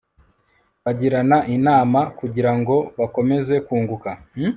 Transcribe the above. bagirana inama kugira ngo bakomeze kunguka